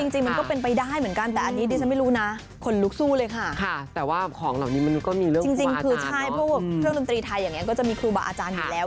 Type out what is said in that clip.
จริงคือใช่เพราะว่าเครื่องดนตรีไทยอย่างนี้ก็จะมีครูบาอาจารย์อยู่แล้ว